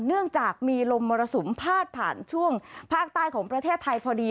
เนื่องจากมีลมมรสุมพาดผ่านช่วงภาคใต้ของประเทศไทยพอดี